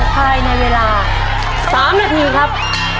ภายในเวลา๓นาทีครับ